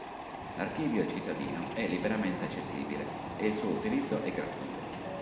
L'archivio cittadino è liberamente accessibile e il suo utilizzo è gratuito.